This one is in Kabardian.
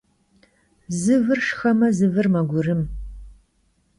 Zı vır şşxeme, zı vır megurım.